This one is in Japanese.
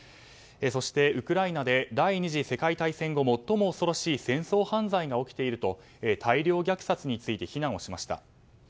そして、ウクライナで第２次世界大戦後最も恐ろしい戦争犯罪が起きていると大量虐殺について非難をしました。